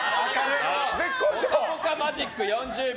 ぽかぽかマジック、４０秒。